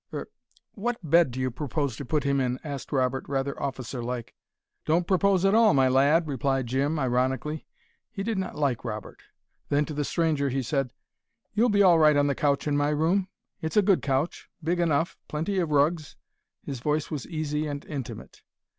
"Er what bed do you propose to put him in?" asked Robert rather officer like. "Don't propose at all, my lad," replied Jim, ironically he did not like Robert. Then to the stranger he said: "You'll be all right on the couch in my room? it's a good couch, big enough, plenty of rugs " His voice was easy and intimate.